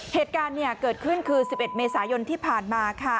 เหตุการณ์เกิดขึ้นคือ๑๑เมษายนที่ผ่านมาค่ะ